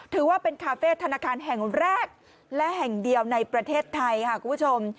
ถือว่าเป็นคาเฟ่ธนาคารแห่งแรกและแห่งเดียวในประเทศไทยค่ะคุณผู้ชม